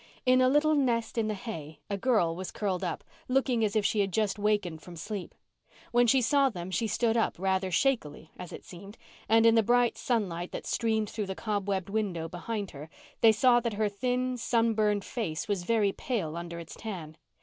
In a little nest in the hay a girl was curled up, looking as if she had just wakened from sleep. When she saw them she stood up, rather shakily, as it seemed, and in the bright sunlight that streamed through the cobwebbed window behind her, they saw that her thin, sunburned face was very pale under its tan.